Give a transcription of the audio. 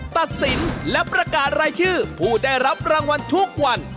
ตัดสินและประกาศรายชื่อผู้ได้รับรางวัลทุกวัน